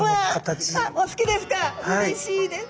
うれしいです。